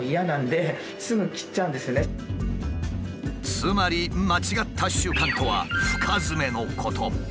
つまり間違った習慣とは深ヅメのこと。